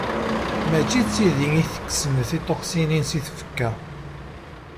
Mačči d tidi i itekksen tiṭuksinin seg tfekka.